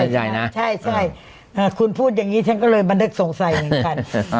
ใช่นะใช่คุณพูดอย่างนี้ฉันก็เลยบันทึกสงสัยเหมือนกัน